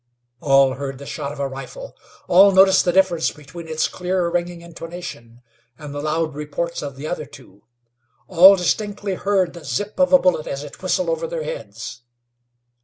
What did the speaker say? All heard the shot of a rifle; all noticed the difference between its clear, ringing intonation and the loud reports of the other two. All distinctly heard the zip of a bullet as it whistled over their heads.